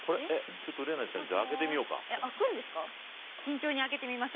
ちょっと怜奈ちゃん開けてみようか。